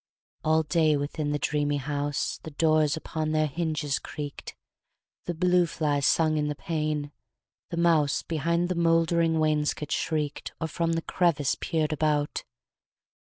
All day within the dreamy house, The doors upon their hinges creak'd; The blue fly sung in the pane; the mouse Behind the mouldering wainscot shriek'd, Or from the crevice peer'd about.